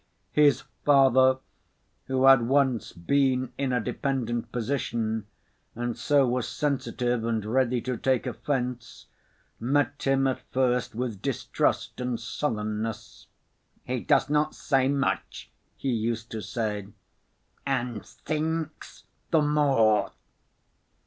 His father, who had once been in a dependent position, and so was sensitive and ready to take offense, met him at first with distrust and sullenness. "He does not say much," he used to say, "and thinks the more."